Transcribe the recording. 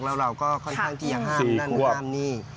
แล้วเราก็ค่อนข้างที่จะห้ามนั่นห้ามนี่